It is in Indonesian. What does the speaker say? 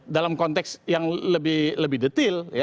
dalam konteks yang lebih detail